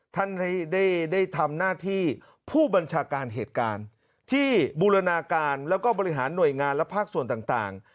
ท่านได้ทำหน้าที่ผู้บัญชาการเหตุการณ์ที่บูรณาการแล้วก็บริหารหน่วยงานและภาคส่วนต่าง